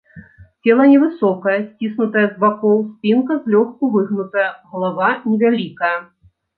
Цела невысокае, сціснутае з бакоў, спінка злёгку выгнутая, галава невялікая.